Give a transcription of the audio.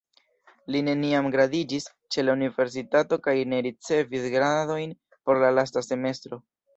Li neniam gradiĝis ĉe la universitato kaj ne ricevis gradojn por la lasta semestro.